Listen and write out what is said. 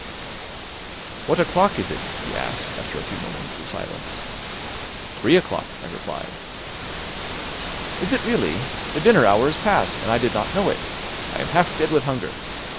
"What o'clock is it?" he asked after a few moments of silence. "Three o'clock," I replied. "Is it really? The dinner hour is past, and I did not know it. I am half dead with hunger.